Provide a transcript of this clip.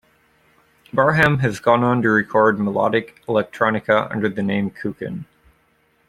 Barham has gone on to record melodic electronica under the name Kuchen.